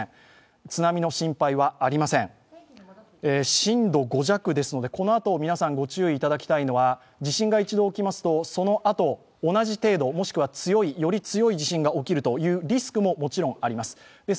震度５弱ですので、このあと皆さんご注意いただきたいのは地震が一度起きますと、そのあと、同じ程度、もしくはより強い地震が起きるというリスクももちろんあります。